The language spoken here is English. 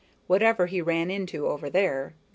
Whatever he ran into over there, the